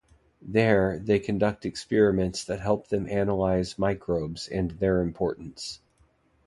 There, they conduct experiments that help them analyze microbes and their importance.